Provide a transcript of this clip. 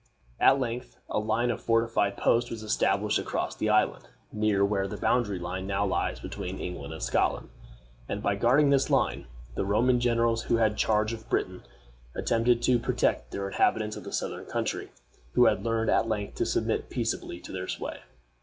At length a line of fortified posts was established across the island, near where the boundary line now lies between England and Scotland; and by guarding this line, the Roman generals who had charge of Britain attempted to protect the inhabitants of the southern country, who had learned at length to submit peaceably to their sway.